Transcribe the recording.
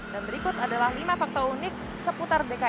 dan berikut adalah lima fakta unik seputar dki jakarta